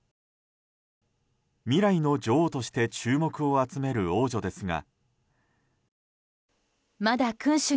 未来の女王として注目を集める王女ですが。